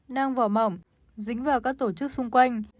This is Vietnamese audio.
nang vỏ mỏng dính vào các tổ chức xung quanh